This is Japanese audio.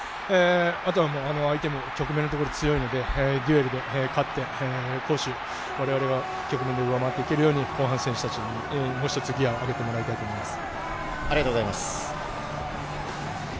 あとはもう相手も局面で強いので、デュエルで勝って、攻守、我々局面で上回っていけるように後半、選手たちにもちょっとギアを上げてほしいと思います。